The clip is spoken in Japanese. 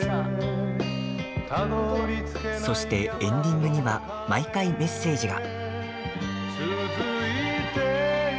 そして、エンディングには毎回メッセージが。